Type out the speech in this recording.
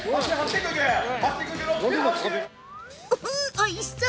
おいしそう！